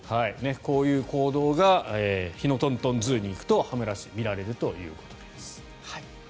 こういう行動がヒノトントンＺＯＯに行くと羽村市で見られるということです。